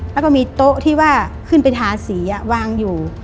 แล้วก็มีโต๊ะที่ว่าขึ้นไปทาสีวางอยู่